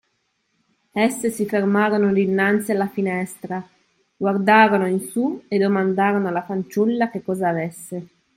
Esse si fermarono dinanzi alla finestra, guardarono in su e domandarono alla fanciulla che cosa avesse.